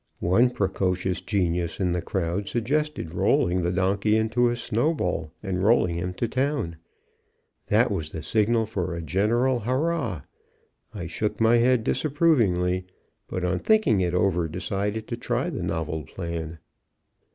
One precocious genius in the crowd suggested rolling the donkey into a snowball, and rolling him to town. That was the signal for a general hurrah. I shook my head disapprovingly, but, on thinking it over, decided to try the novel plan.